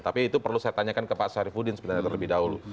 tapi itu perlu saya tanyakan ke pak syarifudin sebenarnya terlebih dahulu